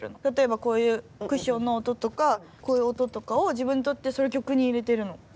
例えばこういうクッションの音とかこういう音とかを自分でとってそれ曲に入れてるの。